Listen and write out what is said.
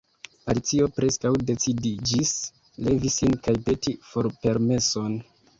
Alicio preskaŭ decidiĝis levi sin kaj peti forpermeson.